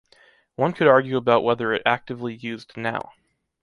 One could argue about whether it actively used now.